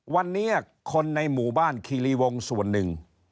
วันนี้คนในหมู่บ้านคีรีวงส่วนหนึ่ง